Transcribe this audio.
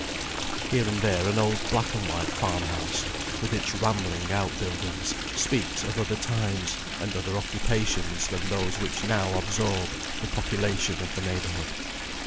Here and there an old black and white farm house, with its rambling outbuildings, speaks of other times and other occupations than those which now absorb the population of the neighbourhood.